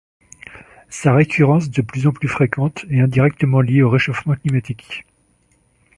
Sa récurrence de plus en plus fréquente est indirectement liée au réchauffement climatique.